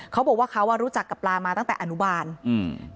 เขาบอกว่าเขาอ่ะรู้จักกับปลามาตั้งแต่อนุบาลอืม